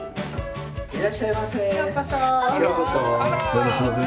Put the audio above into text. いらっしゃいませ。